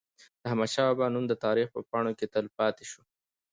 د احمد شاه بابا نوم د تاریخ په پاڼو کي تل پاتي سو.